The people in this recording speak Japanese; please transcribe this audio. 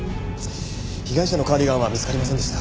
被害者のカーディガンは見つかりませんでした。